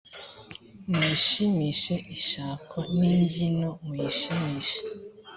muyishimishe ishako n imbyino muyishimishe